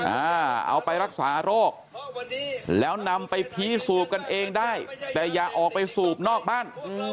เอาไปรักษาโรคแล้วนำไปพีสูบกันเองได้แต่อย่าออกไปสูบนอกบ้าน